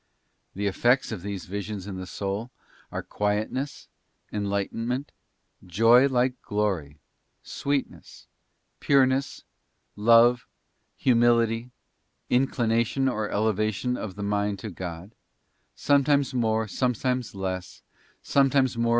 The effects of these visions in the soul are quietness, enlightenment, joy like glory, sweetness, pureness, love, humility, inclination or elevation of the mind to God, some times more, sometimes less, sometimes more of one, some 1.